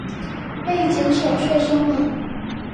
會減少稅收嗎？